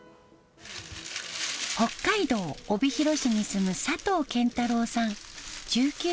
北海道帯広市に住む佐藤謙太